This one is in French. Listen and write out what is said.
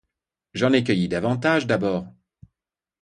J’en ai cueilli davantage, d’abord !